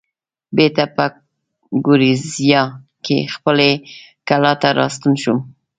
بېرته په ګوریزیا کې خپلې کلا ته راستون شوم.